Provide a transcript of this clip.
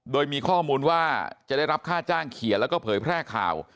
โดยมีข้อมูลว่าจะได้รับค่าจ้างเขียนแล้วก็เผยแพร่ข่าว